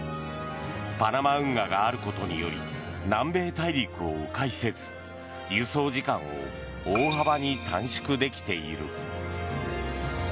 パナマ運河があることにより南米大陸を迂回せず輸送時間を大幅に短縮できている。